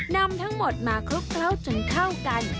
นำทั้งหมดมาครบจนเข้ากัน